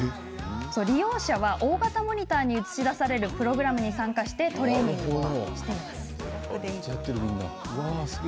利用者は大型モニターに映し出されるプログラムに参加してトレーニングをしています。